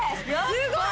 すごい！